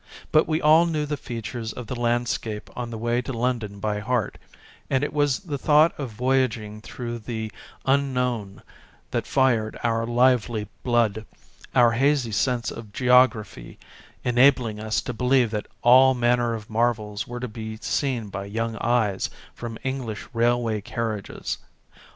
But we all knew the features of the landscape on the way to London by heart, and it was the thought of voyaging through the unknown that fired our lively blood, our hazy sense of geography enabling us to believe that all manner of marvels were to be seen by young eyes from English railway carriages.